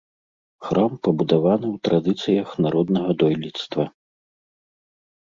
Храм пабудаваны ў традыцыях народнага дойлідства.